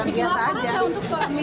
bikin laporan gak untuk suami